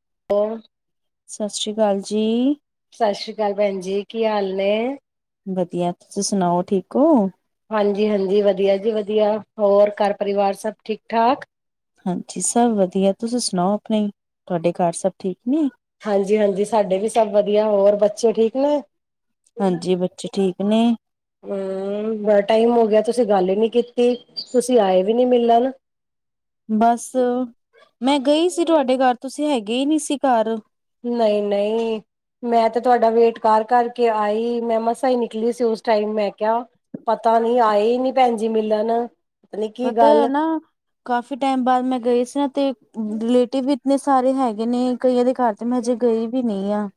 [inaudible] ਸਤਿ ਸ੍ਰੀ ਅਕਾਲ ਜੀ। ਸਤਿ ਸ੍ਰੀ ਅਕਾਲ ਭੈਣ ਜੀ ਕੀ ਹਾਲ ਨੇ ਵਧੀਆ ਤੁਸੀਂ ਸੁਣਾਓ ਠੀਕ ਹੋ। ਹਾਂਜੀ, ਹਾਂਜੀ ਵਧੀਆ ਜੀ, ਵਧੀਆ ਹੋਰ ਘਰ ਪਰਿਵਾਰ ਸਭ ਠੀਕ, ਠਾਕ ਹਾਂਜੀ, ਸਭ ਵਧੀਆ ਤੁਸੀਂ ਸੁਣਾਓ ਆਪਣੇ ਤੁਹਾਡੇ ਘਰ ਸਭ ਠੀਕ ਨੇ ਹਾਂਜੀ, ਹਾਂਜੀ ਸਾਡੇ ਵੀ ਸਭ ਵਧੀਆ ਹੋਰ ਬੱਚੇ ਠੀਕ ਨੇ ਹਾਂਜੀ ਬੱਚੇ ਠੀਕ ਨੇ ਹੂੰ, ਬੜਾ ਟਾਈਮ ਹੋ ਗਿਆ ਤੁਸੀਂ ਗੱਲ ਹੀ ਨਹੀਂ ਕੀਤੀ ਤੁਸੀਂ ਆਏ ਵੀ ਨਹੀਂ ਮਿਲਣ ਬਸ ਮੈਂ ਗਈ ਸੀ, ਤੁਹਾਡੇ ਘਰ ਤੁਸੀਂ ਹੈਗੇ ਹੀ ਨਹੀਂ ਸੀ ਘਰ ਨਹੀਂ, ਨਹੀਂ ਮੈਂ ਤੇ ਤੁਹਾਡਾ ਵੇਟ ਕਰ ਕਰ ਕੇ ਆਈ ਮੈਂ ਮਸਾ ਹੀ ਨਿਕਲੀ ਸੀ ਉਸ ਟਾਈਮ ਮੈਂ ਕਿਹਾ ਪਤਾ ਨੀ ਆਏ ਹੀ ਨਹੀਂ ਭੈਣ ਜੀ ਮਿਲਣ ਨੀ ਕੀ ਪਤਾ ਐ ਗੱਲ ਨਾ ਕਾਫੀ ਟਾਈਮ ਬਾਅਦ ਮੈਂ ਗਈ ਸੀ ਨਾ ਤੇ ਰਿਲੇਟਿਵ ਵੀ ਨਹੀਂ ਸਾਰੇ ਹੈਗੇ ਨੇ ਕਈਆਂ ਦੇ ਘਰ ਤੇ ਮੈਂ ਹਜੇ ਗਈ ਵੀ ਨੀ ਆ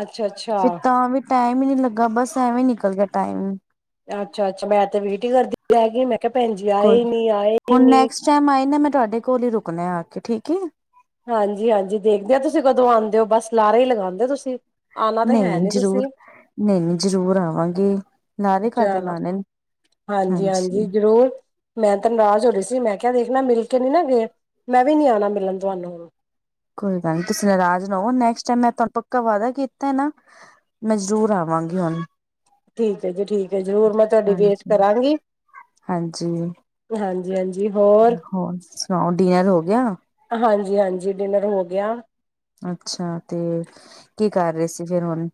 ਅੱਛਾ, ਅੱਛਾ। ਫਿਰ ਤਾਂ ਵੀ ਟਾਈਮ ਹੀ ਨੀ ਲੱਗਾ ਬਸ ਐਵੇਂ ਹੀ ਨਿਕਲ ਗਿਆ ਟਾਈਮ ਅੱਛਾ, ਅੱਛਾ ਮੈਂ ਤੇ ਵੇਟ ਹੀ ਕਰਦੀ ਰਹਿਗੀ ਮੈਂ ਕਿਹਾ ਭੈਣ ਜੀ ਆਏ ਕੋਈ ਹੀ ਨੀ ਆਏ ਹੀ ਹੁਣ ਨੀ ਨੈਕਸਟ ਟਾਈਮ ਆਈ ਨਾ ਮੈਂ ਤੁਹਾਡੇ ਕੋਲ ਹੀ ਰੁਕਨਾ ਆ ਕੇ ਠੀਕ ਏ ਹਾਂਜੀ, ਹਾਂਜੀ ਦੇਖਦੇ ਆ ਤੁਸੀਂ ਕਦੋਂ ਆਉਂਦੇ ਹੋ ਬਸ ਲਾਰੇ ਹੀ ਲਗਾਂਦੇ ਤੁਸੀਂ ਆਉਣਾ ਤਾਂ ਹੈ ਨਹੀਂ ਨੀ ਜ਼ਰੂਰ ਤੁਸੀਂ ਨਹੀਂ, ਨਹੀਂ ਜ਼ਰੂਰ ਆਵਾਂਗੇ। ਲਾਰੇ ਕਾਹਦੇ ਚੱਲੋ ਲਾਣੇ ਨੇ ਹਾਂਜੀ, ਹਾਂਜੀ ਜ਼ਰੂਰ ਮੈਂ ਤੇ ਨਾਰਜ਼ ਹੋ ਰਹੀ ਸੀ ਮੈਂ ਕਿਹਾ ਵੇਖਣਾ ਮਿਲ ਕੇ ਨੀ ਨਾ ਗਏ ਮੈਂ ਵੀ ਨੀ ਆਣਾ ਮਿਲਣ ਤੁਹਾਨੂੰ ਹੁਣ ਕੋਈ ਗੱਲ ਨੀ ਤੁਸੀਂ ਨਰਾਜ ਨਾ ਹੋ ਨੈ ਕਸਟ ਮੈਂ ਤੁਹਾਨੂੰ ਪੱਕਾ ਵਾਅਦਾ ਕੀਤਾ ਨਾ ਮੈਂ ਜ਼ਰੂਰ ਆਵਾਂਗੀ ਹੁਣ। ਠੀਕ ਐ, ਜੀ ਠੀਕ ਐ ਜ਼ਰੂਰ ਮੈਂ ਤੁਹਾਡੀ ਵੇਟ ਕਰਾਂਗੀ ਹਾਂਜੀ-ਹਾਂਜੀ ਹਾਂਜੀ। ਹਾਂਜੀ ਹੋਰ ਹੋਰ ਸੁਣਾਓ ਡਿਨਰ ਹੋ ਗਿਆ? ਹਾਂਜੀ, ਹਾਂਜੀ ਡਿਨਰ ਹੋ ਗਿਆ। ਅੱਛਾ ਤੇ ਕੀ ਕਰ ਰਹੇ ਸੀ ਫਿਰ ਹੁਣ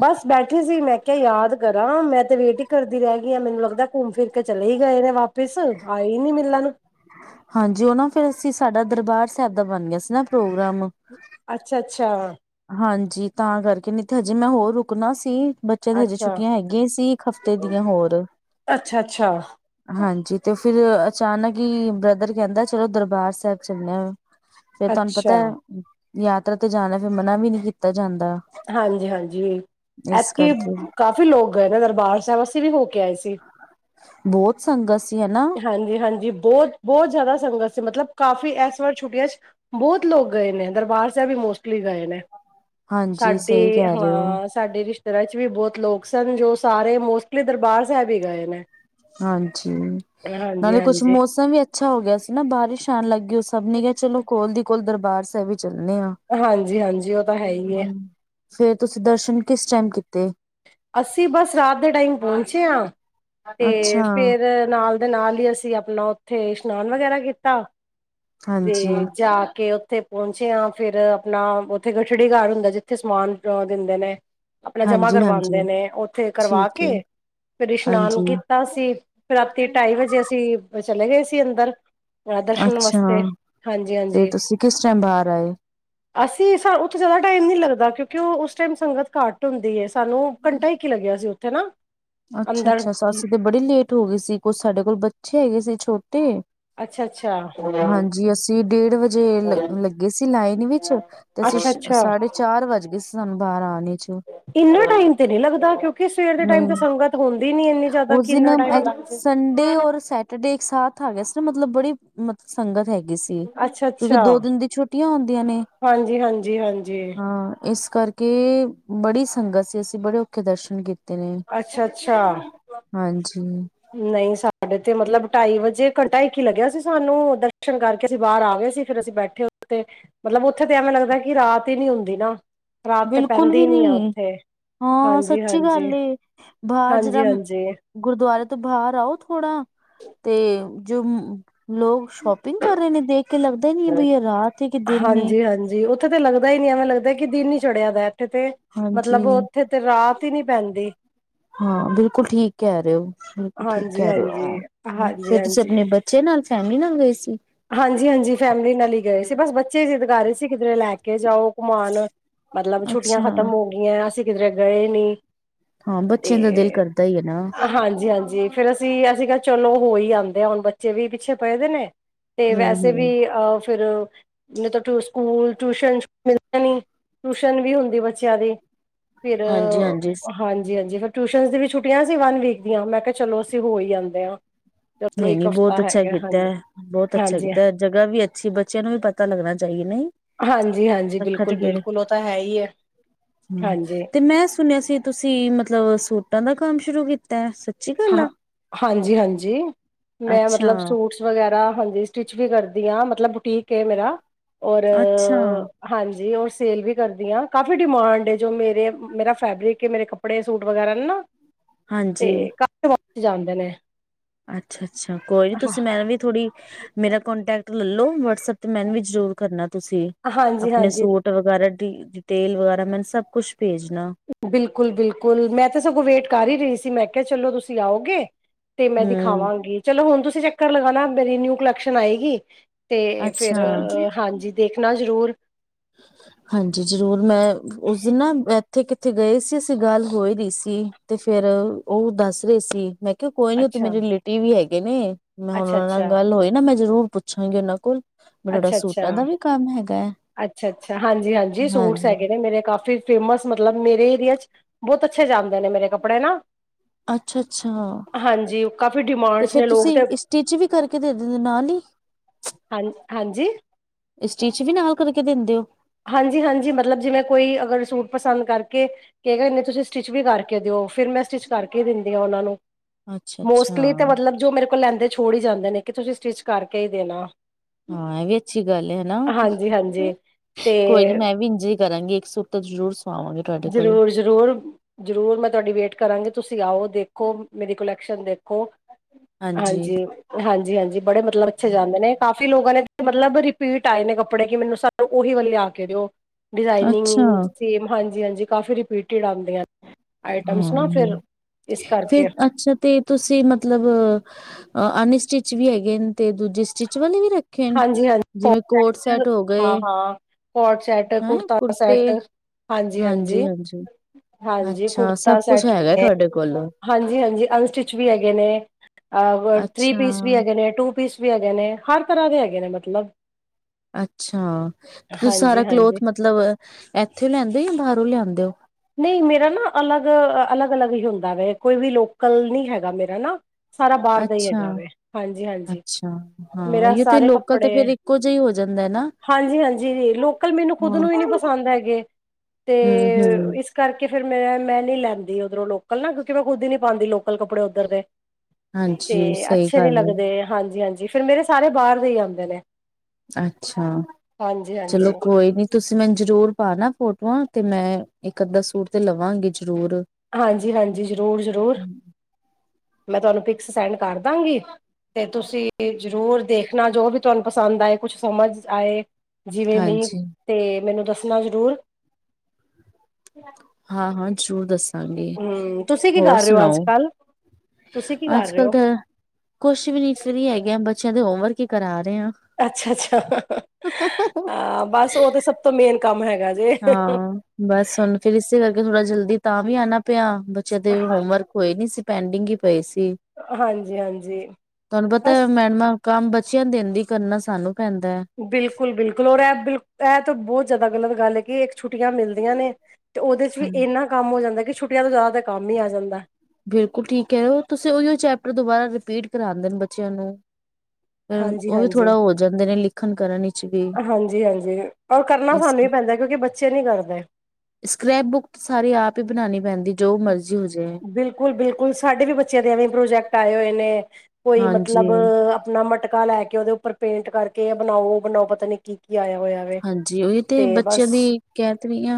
ਬਸ ਬੈਠੇ ਸੀ ਮੈਂ ਕਿਹਾ ਯਾਦ ਕਰਾਂ ਮੈਂ ਤੇ ਵੇਟ ਹੀ ਕਰਦੀ ਰਹਿ ਗਈ ਆ ਮੈਨੂੰ ਲੱਗਦਾ ਘੁੰਮ ਫਿਰ ਕੇ ਚਲੇ [unintelligible] ਆਏ ਹੀ ਨੀ ਮਿਲਣ ਹਾਂਜੀ, ਉਹ ਨਾ ਫਿਰ ਅਸੀਂ ਸਾਡਾ ਦਰਬਾਰ ਏਦਾਂ ਬਣ ਗਿਆ ਸੀ ਨਾ ਪ੍ਰੋ ਅੱਛਾ, ਅੱਛਾ। ਹਾਂਜੀ, ਤਾਂ ਕਰਕੇ ਨਹੀਂ ਤੇ ਹਜੇ ਮੈਂ ਹੋਰ ਰੁਕਣਾ ਸੀ। ਬੱਚਿਆਂ ਦੇ ਹਜੇ ਅੱਛਾ ਛੁੱਟੀਆਂ ਹੈਗੀਆਂ ਈ ਸੀ ਇੱਕ ਹਫ਼ਤੇ ਦੀਆਂ ਹੋਰ। ਅੱਛਾ ਅੱਛਾ ਹਾਂਜੀ ਤੇ ਫਿਰ ਅਚਾਨਕ ਹੀ ਬ੍ਰਦਰ ਕਹਿੰਦਾ ਚਲੋ ਦਰਬਾਰ ਸਾਹਿਬ ਚੱਲਣੇ ਆ। ਫਿਰ ਤੁਹਾਨੂੰ ਪਤਾ ਅੱਛਾ ਯਾਤਰਾ ਤੇ ਜਾਣਾ ਫਿਰ ਮਨਾ ਵੀ ਨੀ ਕੀਤਾ ਜਾਂ ਹਾਂਜੀ ਹਾਂਜੀ, ਇਸ ਐਤਕੀ ਕਰਕੇ ਕਾਫ਼ੀ ਲੋਕ ਗਏ ਨਾ ਦਰਬਾਰ ਸਾਹਿਬ ਅਸੀਂ ਵੀ ਹੋ ਕੇ ਆਏ ਸੀ, ਬਹੁਤ ਸੰਗਤ ਸੀ ਹਨਾ ਹਾਂਜੀ ਹਾਂਜੀ ਬਹੁਤ ਬਹੁਤ ਜ਼ਿਆਦਾ ਸੰਗਤ ਤੇ ਮਤਲਬ ਕਾਫੀ ਇਸ ਵਾਰ ਛੁੱਟੀਆਂ ਚ ਬਹੁਤ ਲੋਕ ਗਏ ਨੇ ਦਰਬਾਰ ਸਾਹਿਬ ਹੀ ਮੋਸਟਲੀ ਗਏ ਨੇ। [inaudible] ਸਹੀ ਸਾਡੇ ਕਹਿ ਰਹੇ ਹੋ ਹਾਂ ਸਾਡੇ ਰਿਸ਼ਤੇਦਾਰੀ ਚ ਵੀ ਬਹੁਤ ਲੋਕ ਸਨ ਜੋ ਸਾਰੇ ਮੋਸਟਲੀ ਦਰਬਾਰ ਸਾਹਿਬ ਹੀ ਗਏ ਨੇ। ਹਾਂਜੀ, ਹਾਂਜੀ ਨਾਲੇ ਕੁਛ ਹਾਂਜੀ ਮੌਸਮ ਵੀ ਅੱਛਾ ਹੋ ਗਿਆ ਸੀ ਨਾ ਬਾਰਿਸ਼ ਆਣ ਲਾਗੀ ਉਹ ਸਭ ਨੇ ਚੱਲੋ ਕੋਲ ਦੀ ਕੋਲ ਦਰਬਾਰ ਸਾਹਿਬ ਵੀ ਚਲਣੇ ਆ ਹਾਂਜੀ ਹਾਂਜੀ ਉਹ ਤਾਂ ਹੈ ਹੀ ਹੈ ਹੂੰ, ਫਿਰ ਤੁਸੀਂ ਦਰਸ਼ਨ ਕਿਸ ਟਾਈਮ ਕੀਤੇ? ਅਸੀਂ ਬਸ ਰਾਤ ਦੇ ਟਾਈਮ ਪਹੁੰਚੇ ਆ ਤੇ ਅੱਛਾ ਫਿਰ ਨਾਲ ਤੇ ਨਾਲ ਹੀ ਅਸੀਂ ਆਪਣਾ ਉੱਥੇ ਇਸ਼ਨਾਨ ਵਗੈਰਾ ਕੀਤਾ ਤੇ ਹਾਂਜੀ ਜਾ ਕੇ ਉਥੇ ਪੌਂਚੇ ਆ ਫਿਰ ਆਪਣਾ ਉੱਥੇ ਗਠੜੀ ਘਰ ਹੁੰਦਾ ਜਿੱਥੇ ਸਮਾਨ ਅ ਦਿੰਦੇ ਨੇ। ਆਪਣਾ ਜਮਾ ਹਾਂਜੀ ਕਰਵਾਂਦੇ ਹਾਂਜੀ ਨੇ ਉੱਥੇ ਕਰਵਾ ਠੀਕ ਹੈ ਕੇ ਫਿਰ ਇਸ਼ਨਾਨ ਹਾਂਜੀ ਕੀਤਾ ਸੀ। ਰਾਤੀ ਢਾਈ ਵਜੇ ਅਸੀਂ ਚਲੇ ਗਏ ਸੀ ਅੰਦਰ। ਦਰਸ਼ਨ ਅੱਛਾ ਨਮਸਤੇ ਹਾਂਜੀ ਫੇਰ ਹਾਂਜੀ। ਤੁਸੀਂ ਕਿਸ ਟਾਈਮ ਬਾਹਰ ਆਏ ਅਸੀਂ ਸਾ ਉੱਥੇ ਜਿਆਦਾ ਟਾਈਮ ਨੀ ਲ ਗਦਾ ਕਿਉਂਕਿ ਉਹ ਉਸ ਟਾਈਮ ਸੰਗਤ ਘੱਟ ਹੁੰਦੀ ਐ ਸਾਨੂੰ ਘੰਟਾ ਇਕ ਹੀ ਲੱਗਿਆ ਸੀ ਉੱਥੇ ਨਾ। ਅੱਛਾ ਅੰਦਰ ਅੱਛਾ, ਸੱਸ ਤੇ ਬੜੀ ਲੇਟ ਹੋ ਗਈ ਸੀ ਕੁਛ ਸਾਡੇ ਕੋਲ ਬੱਚੇ ਹੈਗੇ ਸੀ ਛੋਟੇ। ਅੱਛਾ ਅੱਛਾ। ਹਾਂਜੀ, ਅਸੀਂ ਡੇਢ ਵਜੇ ਲ ਲੱਗੇ ਸੀ ਲਾਈਨ ਵਿੱਚ ਤੇ ਅਸੀਂ ਅੱਛਾ ਸ਼ ਅੱਛਾ ਸਾਢੇ ਛੇ ਚਾਰ ਵੱਜ ਗਏ ਸੀ। ਸਾਨੂੰ ਬਾਹਰ ਆਣ ਇੰਨਾ ਟਾਈਮ ਤੇ ਨਹੀਂ ਲੱਗਦਾ ਕਿਉਂਕਿ ਸਵੇਰ ਦੇ ਟਾਈਮ ਨਹੀਂ ਤਾਂ ਸੰਗਤ ਹੁੰਦੀ ਨੀ ਐਨੀ ਜ਼ਿਆਦਾ ਉਸ ਕਿ ਇਨਾ ਦਿਨ ਟਾਈਮ ਲੱਗ ਜੇ। ਸੰਡੇ ਔਰ ਸੈਟਰਡੇ [unintelligible] ਮਤਲਬ ਬੜੀ ਮਤ ਸੰਗਤ ਹੈਗੀ। ਏਸੀ ਅੱਛਾ ਕਿਉਂਕਿ ਅੱਛਾ ਦੋ ਦਿਨ ਦੀ ਛੁੱਟੀਆਂ ਹੁੰਦੀਆਂ ਨੇ, ਹਾਂਜੀ ਹਾਂਜੀ ਹਾਂਜੀ ਹਾਂ ਇਸ ਕਰਕੇ ਬੜੀ ਸੰਗਤ ਸੀ ਅਸੀਂ ਬੜੇ ਔਖੇ ਦਰਸ਼ਨ ਕੀ ਤੇ ਨੇ ਅੱਛਾ ਅੱਛਾ ਹਾਂਜੀ। ਨਹੀਂ ਸਾਡੇ ਤੇ ਮਤਲਬ ਢਾਈ ਵਜੇ ਘੰਟਾ ਇਕ ਹੀ ਲੱਗਿਆ ਸੀ ਸਾਨੂੰ ਦਰਸ਼ਨ ਕਰਕੇ ਅਸੀਂ ਬਾਹਰ ਆ ਗਏ ਫਿਰ ਅਸੀਂ ਬੈਠੇ ਉਤੇ ਮਤਲਬ ਉੱਥੇ ਤੇ ਐਵੇਂ ਲੱਗਦਾ ਕਿ ਰਾਤ ਹੀ ਨੀ ਹੁੰਦੀ ਨਾ। ਰਾਤ ਤੇ ਬਿਲਕੁਲ ਪੈਂਦੀ ਵੀ ਆ ਨੀ ਉੱਥੇ ਹਾਂ ਹਾਂਜੀ ਸੱਚੀ ਹਾਂਜੀ ਗੱਲ ਏ। ਹਾਂਜੀ ਬਾਹਜਰਮ ਹਾਂਜੀ ਗੁਰਦੁਆਰੇ ਤੋਂ ਬਾਹਰ। ਆਓ ਥੋੜਾ ਤੇ ਜੁਮ ਲੋਕ ਸ਼ੋਪਿੰਗ ਕਰ ਰਹੇ ਨੇ ਦੇਖ ਕੇ ਲੱਗਦਾ ਈ ਨਹੀਂ ਬਈ ਅ ਰਾਤ ਏ ਕੇ ਦਿਨ ਏ। ਹਾਂਜੀ-ਹਾਂਜੀ ਉੱਥੇ ਤੇ ਲੱਗਦਾ ਹੀ ਨੀ ਐਵੇਂ ਲੱਗਦਾ ਏ ਕਿ ਦਿਨ ਹੀ ਚੜ੍ਹਿਆ ਪਿਆ ਇੱਥੇ ਤੇ ਮਤਲਬ ਹਾਂਜੀ ਉੱਥੇ ਤੇ ਰਾਤ ਈ ਨੀ ਪੈਂਦੀ। ਹਾਂ, ਬਿਲਕੁਲ ਠੀਕ ਕਹਿ ਰਹੇ ਹੋ ਬਿਲਕੁਲ ਠੀਕ ਕਹਿ ਰਹੇ ਹੋ, ਹਾਂਜੀ-ਹਾਂਜੀ, ਆ ਫਿਰ ਤੁਸੀਂ ਹਾਂਜੀ-ਹਾਂਜੀ। ਆਪਣੇ ਬੱਚੇ ਨਾਲ ਫੈਮਲੀ ਨਾਲ ਗਏ ਸੀ। ਹਾਂਜੀ ਹਾਂਜੀ, ਫੈਮਿਲੀ ਨਾਲ ਹੀ ਗਏ ਸੀ ਬਸ ਬੱਚੇ ਜਿੱਦ ਕਰ ਰਹੇ ਸੀ ਕਿਧਰੇ ਲੈ ਕੇ ਜਾਓ। ਘੁੰਮਾਣ ਮਤਲਬ ਛੁੱਟੀਆਂ ਅੱਛਾ ਖ਼ਤਮ ਹੋ ਗਈਆਂ ਅ ਅਸੀਂ ਕਿਧਰੇ ਗਏ ਨੀ। ਹਾਂ ਬੱਚਿਆਂ ਦਾ ਦਿਲ ਤੇ, ਕਰਦਾ ਹੀ ਹੈ ਨਾ ਹਾਂਜੀ ਹਾਂਜੀ। ਫਿਰ ਅਸੀਂ ਅਸੀਂ ਕਿਹਾ ਚਲੋ ਹੋਈ ਆਂਦੇ ਆ ਹੁਣ ਬੱਚੇ ਵੀ ਪਿੱਛੇ ਪਏ ਦੇ ਨੇ। ਤੇ ਹਮ ਵੈਸੇ ਹਮ ਵੀ ਅਹ ਫਿਰ ਨਹੀਂ ਤਾਂ ਸਕੂਲ ਟਿਊਸ਼ਨ 'ਚ ਮਿਲਣੇ ਨੀ। ਟਿਊਸ਼ਨ ਵੀ ਹੁੰਦੀ ਬੱਚਿਆਂ ਦੀ ਫਿਰ ਹਾਂਜੀ ਹਾਂਜੀ ਹਾਂਜੀ ਹਾਂਜੀ ਫੇ ਟਿਊਸ਼ਨਸ ਦੀ ਵੀ ਛੁੱਟੀਆਂ ਸੀ ਵਨ ਵੀਕ ਦੀਆਂ ਮੈਂ ਕਿਹਾ ਚਲੋ ਅਸੀਂ ਹੋ ਹੀ ਆਂਦੇ ਆ। ਨਹੀਂ ਨਹੀਂ ਬਹੁਤ ਅੱਛਾ ਕੀਤਾ। ਬਹੁਤ ਅੱਛਾ ਹਾਂਜੀ ਕੀਤਾ ਅ ਜਗ੍ਹਾ ਵੀ ਅੱਛੀ ਬੱਚਿਆਂ ਨੂੰ ਵੀ ਪਤਾ ਲੱਗਣਾ ਚਾਈਏ ਨਹੀਂ। ਹਾਂਜੀ ਹਾਂਜੀ, ਬਿਲਕੁਲ ਬਿਲਕੁਲ ਉਹ ਤਾਂ ਹੈ ਹੀ ਆ। ਹੂੰ, ਤੇ ਮੈਂ ਸੁਣਿਆ ਸੀ ਤੁਸੀਂ ਮਤਲਬ ਸੂ ਟਾ ਦਾ ਕੰਮ ਸ਼ੁਰੂ ਕੀਤਾ। ਸੱਚੀ ਗੱਲ ਹਾਂ, ਆ ਹਾਂਜੀ ਹਾਂਜੀ ਮੈਂ ਮਤਲਬ ਅੱਛਾ ਸੂਟਸ ਵਗੈਰਾ ਹਾਂਜੀ, ਸਟਿੱਚ ਵੀ ਕਰਦੀ ਆ ਮਤਲਬ ਬੁਟੀਕ ਆ ਮੇਰਾ ਔਰ ਅੱਛਾ ਹਾਂਜੀ ਔਰ, ਸੇਲ ਵੀ ਕਰਦੀ ਹਾਂ ਕਾਫੀ ਡਿਮਾਂਡ ਜੋ ਮੇਰੇ ਮੇਰਾ ਫੈਬਰਿਕ ਮੇਰੇ ਕੱਪੜੇ ਸੂਟ ਵਗੈਰਾ ਨੇ ਨਾ। ਹਾਂਜੀ, ਤੇ ਕਾਫੀ ਜਾਂਦੇ ਨੇ। ਅੱਛਾ ਅੱਛਾ, ਕੋਈ ਨੀ ਹਾਂ ਤੁਸੀਂ ਮੈਂ ਵੀ ਥੋੜੀ ਮੇਰਾ ਕੋਂਟੈਕਟ ਲੈਲੋ ਵਟਸਐਪ ਤੇ ਮੈਨੂੰ ਵੀ ਜ਼ਰੂਰ ਕਰਨਾ ਤੁਸੀਂ ਹਾਂਜੀ ਆਪਣੇ ਹਾਂਜੀ ਸੂਟ ਵਗੈਰਾ ਦੀ ਤੇਲ ਵਗੈਰਾ ਮੈਨ ਸਭ ਕੁਛ ਭੇਜਣਾ ਬਿਲਕੁਲ- ਬਿਲਕੁਲ ਮੈਂ ਤਾਂ ਸਗੋਂ ਵੇਟ ਕਰ ਹੀ ਰਹੀ ਸੀ। ਮੈਂ ਕਿਹਾ- ਚਲੋ ਤੁਸੀਂ ਆਓਗੇ। ਤੇ ਮੈਂ ਹਮ ਦਿਖਾਵਾਂਗੀ। ਚਲੋ ਹੁਣ ਤੁਸੀਂ ਚੱਕਰ ਲਗਾਣਾ ਮੇਰੀ ਨਿਊ ਕਲੈਕਸ਼ਨ ਆਏਗੀ। ਤੇ ਫਿਰ, ਅੱਛਾ ਹਾਂਜੀ, ਦੇਖਣਾ ਜ਼ਰੂਰ। ਹਾਂਜੀ ਕਿੱਥੇ- ਕਿੱਥੇ ਗਏ ਸੀ। ਅਸੀ ਗੱਲ ਹੋਏ ਰਹੀ ਸੀ ਤੇ ਫੇਰ ਉਹ ਦੱਸ ਰਹੇ ਸੀ। ਮੈਂ ਕੋਈ ਨੀ ਉਥੇ ਅੱਛਾ, ਮੇਰੇ ਰਿਲੇਟਿਵ ਵੀ ਹੈਗੇ ਨੇ। ਮੈਂ ਹੁਣ ਉਹਨਾਂ ਨਾਲ ਅੱਛਾ-ਅੱਛਾ, ਗੱਲ ਹੋਈ ਨਾ ਮੈਂ ਜ਼ਰੂਰ ਪੁੱਛਾਂਗੀ। ਉਹਨਾਂ ਕੋਲ ਬਟੋੜਾ ਸੂਟਾਂ ਦਾ ਵੀ ਕੰਮ ਹੈਗਾ ਹੈ। ਅੱਛਾ -ਅੱਛਾ। ਹਾਂਜੀ- ਹਾਂਜੀ ਸੂਟਸ ਹੈਗੇ ਨੇ। ਮੇਰੇ ਕਾਫੀ ਫੇਮਸ ਮਤਲਬ ਮੇਰੇ ਏਰੀਆ ਚ' ਬਹੁਤ ਅੱਛੇ ਜਾਂਦੇ ਨੇ। ਮੇਰੇ ਕੱਪੜੇ ਨਾ ਅੱਛਾ -ਅੱਛਾ। ਹਾਂਜੀ ਕਾਫੀ ਤੇ ਡਿਮਾਂਡਸ ਫੇਰ ਨੇ ਲੋਕ ਤੇ ਤੁਸੀਂ ਸਟਿਚ ਵੀ ਕਰਕੇ ਦੇ ਦਿੰਦੇ ਨਾਲ ਹੀ। ਹਾਂ ਹਾਂਜੀ, ਸਾਟਿਚ ਵੀ ਨਾਲ ਕਰਕੇ ਦਿੰਦੇ ਹੋ। ਹਾਂਜੀ- ਹਾਂਜੀ ਮਤਲਬ ਜਿਵੇਂ ਕੋਈ ਅਗਰ ਸੂਟ ਪਸੰਦ ਕਰਕੇ ਕਿਹੇ ਤੁਸੀਂ ਸਟਿਚ ਵੀ ਕਰਕੇ ਦਿਓ। ਫਿਰ ਮੈਂ ਸਟਿਚ ਕਰਕੇ ਦਿੰਦੀ ਹਾਂ ਉਹਨਾਂ ਨੂੰ। ਅੱਛਾ ਅੱਛਾ ਮੋਸਟਲੀ ਤਾਂ ਮਤਲਬ ਜੋ ਮੇਰੇ ਕੋਲ ਲੈਂਦੇ ਛੋੜ ਹੀ ਜਾਂਦੇ ਨੇ। ਕਿ ਤੁਸੀਂ ਸਟਿਚ ਕਰਕੇ ਹੀ ਦੇਣਾ। ਹਾਂ। ਇਹ ਵੀ ਅੱਛੀ ਗੱਲ ਹੈ। ਹਨਾ, ਹਾਂਜੀ-ਹਾਂਜੀ ਤੇ ਕੋਈ ਨੀ ਮੈਂ ਵੀ ਇੰਝ ਕਰਾਂਗੇ। ਇੱਕ ਸੂੱਟ ਤੋਂ ਜ਼ਰੂਰ ਸਵਾਵਾਂਗੀ ਤੁਹਾਡੇ ਕੋਲ ਜ਼ਰੂਰ- ਜ਼ਰੂਰ -ਜ਼ਰੂਰ ਮੈਂ ਤੁਹਾਡੀ ਵੇਟ ਕਰਾਂਗੀ। ਤੁਸੀਂ ਆਓ। ਦੇਖ ਕੋ ਮੇਰੀ ਕੁਲੈਕਸ਼ਨ ਦੇਖੋ। ਹਾਂਜੀ -ਹਾਂਜੀ। ਜੀ ਹਾਂਜੀ, ਬੜੇ ਮਤਲਬ ਅੱਛੇ ਜਾਂਦੇ ਨੇ। ਕਾਫੀ ਲੋਕਾਂ ਨੇ ਮਤਲਬ ਰਿਪੀਟ ਆਏ ਨੇ ਕੱਪੜੇ, ਕਿ ਮੈਨੂੰ ਸ ਉਹੀ ਵਾ ਦਿਓ। ਅੱਛਾ ਡਿਜ਼ਾਇਨਿੰਗ, ਸੇਮ, ਹਾਂਜੀ- ਹਾਂਜੀ ਕਾਫੀ ਰਿਪੀਟਡ ਆਉਂਦੀਆਂ। ਆਈਟਮਸ ਨਾ ਹਾਂ। ਫਿਰ ਇਸ ਫਿਰ ਕਰਕੇ ਅੱਛਾ ਤੇ ਤੁਸੀਂ ਮਤਲਬ ਅ ਅਨਸਟਿੱਚ ਵੀ ਹੈਗੇ ਨੇ ਤੇ ਦੂਜੇ ਸਟਿਚ ਵਾਲੇ ਵੀ ਰੱ ਹਾਂਜੀ- ਹਾਂਜੀ। ਹਾਂ- ਗਏ ਹਾਂ। ਕੋਟ ਸੈਟ, ਹੈਂ ਕੁੜਤਾ ਕੁੜਤੇ ਸੈਟ ਹਾਂਜੀ- ਹਾਂਜੀ -ਹਾਂਜੀ। ਅੱਛਾ ਕੁੜਤਾ ਸਭ ਕੁਛ ਸੈਟ ਹੈਗਾ ਤੁਹਾਡੇ ਕੋਲ ਹਾਂਜੀ- ਹਾਂਜੀ ਅਨਸਟਿਚ ਵੀ ਹੈਗੇ ਨੇ। ਅ ਥ੍ਰੀ ਪੀਸ ਵੀ ਅੱਛਾ ਹੈਗੇ ਨੇ, ਟੂ ਪੀਸ ਵੀ ਹੈਗੇ ਨੇ ਹਰ ਤਰ੍ਹਾਂ ਦੇ ਹੈਗੇ ਨੇ ਮਤਲਬ। ਅੱਛਾ। ਤੁਸੀਂ ਸਾਰਾ ਕਲੋਥ ਹਾਂਜੀ-ਹਾਂਜੀ ਮਤਲਬ ਇੱਥੇ ਲਿਆਂਦੇ ਜਾਂ ਬਾਹਰੋਂ ਲਿਆਂਦੇ ਹੋ। ਨਹੀਂ ਮੇਰਾ ਨਾ ਅਲੱਗ- ਅਲੱਗ -ਅਲੱਗ ਹੀ ਹੁੰਦਾ ਵਾ। ਕੋਈ ਵੀ ਲੋਕਲ ਨਹੀਂ ਹੈਗਾ ਮੇਰਾ ਨਾ। ਸਾਰਾ ਬਾਰ ਦਾ ਈ ਅੱਛਾ। ਹੈਗਾ ਵੇ ਹਾਂਜੀ-ਹਾਂਜੀ ਅੱਛਾ। ਹਾਂ, ਮੇਰਾ ਉਹੀ ਤੇ ਸਾਰੇ ਲੋਕਲ ਤੇ ਫੇਰ ਇੱਕੋ ਜਿਹਾ ਹੋ ਜਾਂਦਾ। ਹੁੰਦਾ ਨਾ। ਹਾਂਜੀ- ਹਾਂਜੀ ਜੀ ਲੋਕਲ ਮੈਨੂੰ ਖੁਦ ਹਾਂ, ਨੂੰ ਹੀ ਨਹੀਂ ਪਸੰਦ ਹੈਗੇ। ਤੇ ਹੂੰ-ਹੂੰ, ਇਸ ਕਰ ਕਰਕੇ ਫਿਰ ਮੈਂ, ਮੈਂ ਨੀ ਲੈਂਦੀ ਉੱਧਰੋਂ ਲੋਕਲ ਨਾ ਕਿਉਂਕਿ ਮੈਂ ਖੁਦ ਹੀ ਨੀ ਪਾਉਂਦੀ ਲੋਕਲ ਕੱਪੜੇ ਉੱਧਰ ਦੇ। ਤੇ ਹਾਂਜੀ ਸਹੀ ਅੱਛੇ ਨੀ ਗੱਲ ਏ। ਲੱਗਦੇ। ਹਾਂਜੀ -ਹਾਂਜੀ ਫਿਰ ਮੇਰੇ ਸਾਰੇ ਬਾਹਰ ਦੇ ਹੀ ਆਉਂਦੇ ਨੇ। ਅੱਛਾ। ਚਲੋ, ਹਾਂਜੀ-ਹਾਂਜੀ। ਕੋਈ ਨੀ। ਤੁਸੀਂ ਮੈਨੂੰ ਜਰੂਰ ਪਾ ਨਾ ਫੋਟੋਆਂ ਤੇ ਮੈਂ ਇੱਕ- ਅੱਧਾ ਸੂਟ ਤੇ ਲਵਾਂਗੀ। ਜ਼ਰੂਰ। ਹਾਂਜੀ -ਹਾਂਜੀ, ਜ਼ਰੂਰ- ਜ਼ਰੂਰ ਮੈਂ ਤੁਹਾਨੂੰ ਫਿਕਸ ਸੈਂਡ ਕਰ ਦਾਂਗੀ। ਤੇ ਤੁਸੀਂ ਜ਼ਰੂਰ ਦੇਖਣਾ ਜੋ ਵੀ ਤੁਹਾਨੂੰ ਪਸੰਦ ਆਏ, ਕੁਛ ਸਮਝ ਆਏ। ਜਿਵੇਂ ਮੀ ਹਾਂਜੀ, ਤੇ ਮੈਨੂੰ ਦੱਸਣਾ ਜ਼ਰੂਰ। ਹਾਂ- ਹਾਂ ਜਰੂਰ ਦੱਸਾਂਗੇ, ਹੂੰ ਤੁਸੀਂ ਕੀ ਹੋਰ ਕਰ ਰਹੇ ਹੋ ਅੱਜ ਸੁਨਾਓ। ਕੱਲ ਤੁਸੀਂ ਕੀ ਕਰ ਰਹੇ ਅੱਜ-ਕੱਲ ਹੋ? ਤੇ ਕੁਛ ਵੀ ਨੀ, ਫਰੀ ਹੈਗੇ ਆ ਬੱਚੇਆ ਦੇ ਹੋਮਵਰਕ ਹੀ ਕਰਾ ਰਹੇ ਅੱਛਾ, ਅੱਛਾ ਆ। ਆ। ਬਸ ਓ ਤਾ, ਸਭ ਤੋਂ ਮੇਨ ਕੰਮ ਹੈਗ। ਹਾਂ, ਬਸ ਹੁਨ ਫਿਰ ਇਸੇ ਕਰਕੇ ਥੋੜਾ ਜਲਦੀ ਤਾ ਵੀ ਆਨਾ ਪਿਆ। ਬੱਚੇਆ ਦੇ ਹੋਮਵਰਕ ਹੋਏ ਨੀ ਸੀ, ਪੈਂਡਿੰਗ ਈ ਪਏ ਸੀ। [unintelligible] ਹਾਂਜੀ-ਹਾਂਜੀ ਤਾਨੂੰ ਪਤਾ ਬਸ ਮੈਡਮਾ ਕੰਮ ਬੱਚੇਆ ਨੂੰ ਦੇਂਦੀ, ਕਰਨਾ ਸਾਨੂੰ ਪੈਂਦਾ ਹੈ ਬਿਲਕੁਲ- ਬਿਲਕੁਲ ਔਰ ਐ ਐ ਤਾ ਬੋਤ ਜਾਦਾ ਗਲਤ ਗੱਲ ਏ ਕਿ ਇੱਕ ਛੁੱਟੀਆਂ ਮਿਲਦੀਆਂ ਨੇ, ਤੇ ਓਦੇ ਚ ਵੀ ਏਨਾ ਕੰਮ ਹੋ ਜਾਂਦੇ ਕਿ ਛੁੱਟੀਆਂ ਤੋਂ ਜਾਦਾ ਤਾਂ ਕੰਮ ਈ ਆ ਜਾਂਦੇ। ਬਿਲਕੁਲ, ਠੀਕ ਕੈ ਰੇ ਹੋ, ਤੁਸੀ। ਓਈਓ ਈ ਚੈਪਟਰ ਦੁਬਾਰਾ ਰਿਪੀਟ ਕਰਾਂਦੇ ਨੇ ਬੱਚੇਆਂ ਨੂੰ। ਫੇਰ ਓ ਵੀ ਹਾਂਜੀ-ਹਾਂਜੀ, ਥੋੜਾ ਹੋ ਜਾਂਦੇ ਨੇ ਲਿਖਨ-ਕਰਨ ਇੱਚ ਵੀ। ਹਾਂਜੀ-ਹਾਂਜੀ ਔਰ ਇਸ [unintelligible] ਕਿਉਂਕਿ ਬੱਚੇ ਨੀ ਪੜਦੇ ਸਕ੍ਰੈਪ ਬੁੱਕ ਸਾਰੀ ਆਪ ਈ ਬਨਾਨੀ ਪੈਂਦੀ, ਜੋ ਮਰਜ਼ੀ ਹੋ ਜੇ ਬਿਲਕੁਲ, ਬਿਲਕੁਲ ਸਾਡੇ ਵੀ ਬੱਚਿਆਂ ਦੇ ਐਵੀਂ ਪ੍ਰੋਜੈਕਟ ਆਏ ਹੋਏ ਨੇ, ਕੋਈ ਮਤਲਬ ਹਾਂਜੀ ਆਪਣਾ ਮਟ [unintelligible] ਲੈ ਕੇ ਓਦੇ ਉੱਪਰ ਪੇਂਟ ਕਰਕੇ ਐ ਬਣਾਓ, ਓ ਬਣਾਓ, ਪਤਾ ਨੀ ਕੀ ਹਾਂਜੀ, ਓਈ ਤੇ ਬੱਚਿਆਂ ਦੀ ਕਹਿ ਤੇ ਰਈ ਆ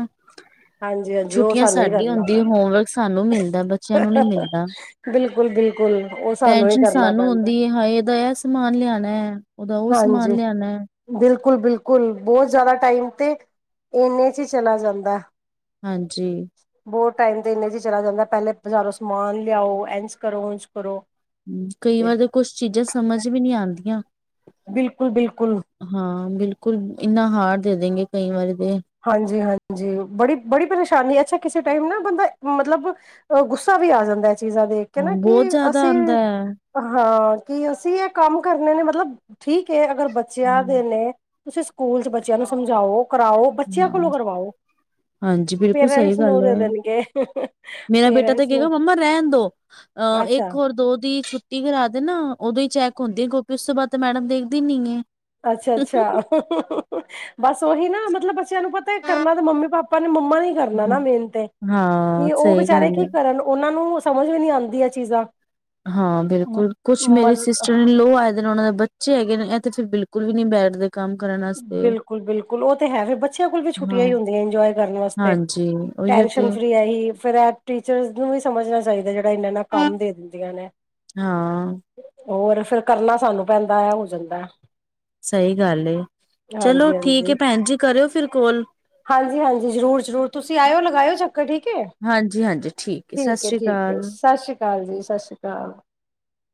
ਹਾਂਜੀ ਹਾਂਜੀ ਉਹ ਛੁੱਟੀਆਂ ਸਾਨੂੰ ਹੀ ਸਾਡੀ ਕਰਨਾ ਹੁੰਦੀ, ਪੈਂਦਾ ਹੋਮਵਰਕ ਸਾਨੂੰ ਮਿਲਦਾ ਬੱਚਿਆਂ ਨੂੰ ਨੀ ਮਿਲਦਾ, ਬਿਲਕੁਲ ਬਿਲਕੁਲ ਉਹ ਸਾਨੂੰ ਹੀ ਟੈਸ਼ਨ ਕਰਨਾ ਸਾਨੂੰ ਪੈਂਦਾ ਹੁੰਦੀ ਏ [unintelligible] ਏਦਾ ਐ ਸਮਾਨ ਲਿਆਣਾ, ਓਦਾ ਓ ਸਮਾਨ ਹਾਂਜੀ ਲਿਆਣਾ। ਬਿਲਕੁਲ, ਬਿਲਕੁਲ ਬੋਤ ਜ਼ਿਆਦਾ ਟਾਈਮ ਤੇ ਇਨੇ ਚ ਈ ਚਲਾ ਜਾਂਦਾ। ਹਾਂਜੀ। ਬਹੁਤ ਟਾਈਮ ਤੇ ਇਨੇ ਚ ਈ ਚਲਾ ਜਾਂਦਾ ਪਹਿਲੇ ਬਜ਼ਾਰੋਂ ਸਮਾਨ ਲਿਆਓ, ਐਂਜ ਕਰੋ, ਉਂਜ ਕਰੋ। ਕਈ ਵਾਰ ਤੇ ਕੁਛ ਚੀਜ਼ਾ ਸਮਝ ਵੀ ਨੀ ਆਂਦੀ ਆਂ। ਬਿਲਕੁਲ-ਬਿਲਕੁਲ। ਹਾਂ, ਬਿਲਕੁਲ ਇੰਨਾ ਹਾਰਡ ਦੇਦੇਂਗੇ ਕਈ ਵਾਰੀ ਤੇ ਹਾਂਜੀ, ਹਾਂਜੀ ਬੜੀ ਬੜੀ ਪਰੇਸ਼ਾਨੀ ਅੱਛਾ ਕਿਸੇ ਟਾਈਮ ਨਾ ਬੰਦਾ ਮਤਲਬ ਅ ਗੁੱਸਾ ਵੀ ਆ ਜਾਂਦਾ। ਚੀਜ਼ਾਂ ਦੇਖ ਕੇ ਹਾਂ ਨਾ ਬਹੁਤ ਕਿ ਜ਼ਿਆਦਾ ਅਸੀਂ, ਆਉਂਦਾ ਹੈ ਹਾਂ ਕਿ ਅਸੀ ਐ ਕੰਮ ਕਰਨੇ ਨੇ, ਮਤਲਬ, ਠੀਕ ਏ ਅਗਰ ਬੱਚਿਆਂ ਹਮ, ਦੇ ਨੇ ਤੁਸੀਂ ਸਕੂਲ ਚ ਬੱਚਿਆਂ ਨੂੰ ਸਮਝਾਓ, ਕਰਾਓ, ਬੱਚਿਆਂ ਕੋਲੋਂ ਹਾਂ ਕਰਵਾਓ। ਹਾਂਜੀ, ਬਿਲਕੁਲ ਸਈ ਪੇਰੈਂਟਸ ਨੂੰ ਗੱਲ ਦੇ ਏ। ਦੇਣਗੇ ਮੇਰਾ ਬੇਟਾ ਤੇ ਪੇਰੈਂਟਸ ਨੂੰ ਕਹੇਗਾ ਮੰਮਾ ਰੈਨ ਦੋ। ਅ ਅੱਛਾ ਏਕ ਹੋਰ ਦੋ ਦੀ ਛੁੱਟੀ ਕਰਾ ਦੇ ਨਾ। ਓਦੋ ਈ ਚੈੱਕ ਹੁੰਦੀ ਆ, ਉਸ ਤੋਂ ਬਾਅਦ ਤਾਂ ਮੈਡਮ ਦੇਖਦੀ ਨੀ ਏ। ਅੱਛਾ, ਅੱਛਾ [unintelligible] ਬਸ ਓਹੀ ਨਾ ਮਤਲਬ ਬੱਚਿਆਂ ਨੂੰ ਪਤਾ ਕਰਨਾ ਤਾਂ ਮੰਮੀ-ਪਾਪਾ ਮੰਮਾ ਨੇ ਈ ਕਰਨਾ ਨਾ ਮੇਨ ਤੇ, ਹਾਂ ਕਿ ਓ ਸਹੀ ਵਿਚਾਰੇ ਗੱਲ ਹੈ ਕੀ ਕਰਨ ਓਨਾਂ ਨੂੰ ਸਮਝ ਵੀ ਨੀ ਆਂਦੀ ਐ ਚੀਜ਼ਾਂ ਹਾਂ, ਬਿਲਕੁਲ, ਕੁਛ ਮ ਮੇਰੇ ਸਿਸਟਰ-ਈਨ-ਲੋ ਆਏ ਦੇ ਨੇ, ਓਨਾਂ ਦਾ ਬੱਚੇ ਹੈਗੇ ਨੇ, ਐ ਤੇ ਫੇਰ ਬਿਲਕੁਲ ਵੀ ਨੀ ਬੈਠਦੇ। ਕੰਮ ਕਰਨ ਵਾਸਤੇ ਬਿਲਕੁਲ, ਬਿਲਕੁਲ ਓ ਤੇ ਹੈ ਫੇਰ ਬੱਚਿਆਂ ਕੋਲ ਵੀ ਛੁੱਟੀਆਂ ਹੀ ਹਾਂ। ਹੁੰਦੀ ਆ ਇੰਜੋਏ ਕਰਨ ਵਾਸਤੇ ਹਾਂਜੀ ਉਹੀਓ ਤੇ ਟੈਨਸ਼ਨ ਫਰੀ ਐ ਹੀ ਫੇਰ ਐ ਟੀਚਰਸ ਨੂੰ ਵੀ ਸਮਝਨਾ ਚਾਹੀਦਾ। ਏਨਾ-ਏਨਾ ਕੰਮ ਦੇ ਦਿੰਦੀਆਂ ਨੇ ਹਾਂ ਹੋਰ ਫੇਰ ਕਰਨਾ ਸਾਨੂੰ ਪੈਂਦਾ ਐ ਹੋ ਜਾਂਦਾ। ਸਹੀ ਗੱਲ ਏ‌। ਚਲੋ, ਹਾਂਜੀ ਠੀਕ ਏ ਹਾਂਜੀ। ਭੈਣ ਜੀ, ਕਰਿਓ ਫੇਰ ਕੌਲ। ਹਾਂਜੀ, ਹਾਂਜੀ, ਜ਼ਰੂਰ, ਜ਼ਰੂਰ ਤੁਸੀ ਆਇਓ, ਲਗਾਇਓ ਚੱਕਰ, ਠੀਕ ਏ ਹਾਂਜੀ ਹਾਂਜੀ ਹੈ ਸਤਿ ਠੀਕ ਏ, ਸ੍ਰੀ ਠੀਕ ਏ ਅਕਾਲ ਸਾਸ਼ਰੀ ਕਾਲ ਜੀ, ਸ਼ਾਸਰੀ ਕਾਲ। [inaudible]